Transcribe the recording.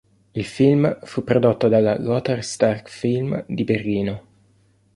Il film fu prodotto dalla Lothar Stark-Film di Berlino.